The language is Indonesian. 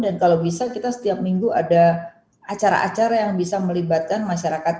dan kalau bisa kita setiap minggu ada acara acara yang bisa melibatkan masyarakat